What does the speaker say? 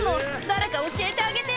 誰か教えてあげて！